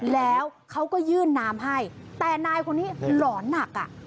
แล้วเขาก็ยื่นน้ำให้แต่นายคนนี้หลอนหนักอ่ะ